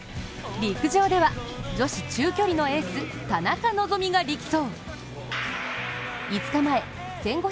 陸上では女子中距離のエース、田中希実が力走。